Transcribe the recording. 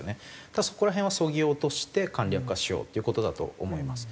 だからそこら辺はそぎ落として簡略化しようっていう事だと思います。